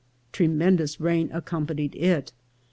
Tremendous rain accompanied it.